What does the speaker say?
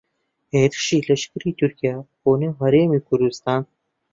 هێرشی لەشکریی تورکیا بۆ نێو هەرێمی کوردستان